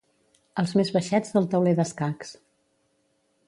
Els més baixets del tauler d'escacs.